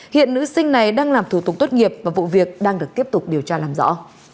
hiện nữ sinh này đang làm thủ tục tốt nghiệp và vụ việc đang được tiếp tục điều tra làm rõ